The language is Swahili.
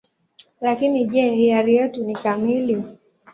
Lakini je, hiari yetu ni kamili?